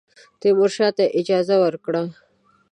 تیمورشاه ته یې اجازه ورکړه.